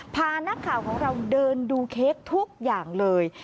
พานักข่าวของเราเดินดูเค้กทุกอย่างเลย